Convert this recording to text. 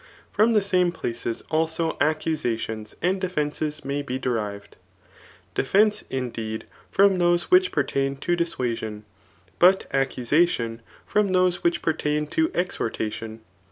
From the same places also accusations and defences may be derived; defence indeed, from those which pertain to dissuaaon, but accusation from those which pertain to exhortation.